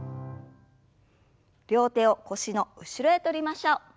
両手を腰の後ろへ取りましょう。